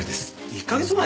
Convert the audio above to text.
１か月前？